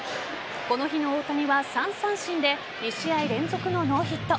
この日の大谷は３三振で２試合連続のノーヒット。